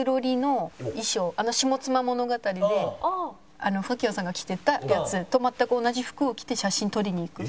『下妻物語』で深キョンさんが着てたやつと全く同じ服を着て写真を撮りに行く。